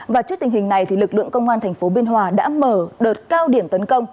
và trước tình hình này lực lượng công an tp biên hòa đã mở đợt cao điểm tấn công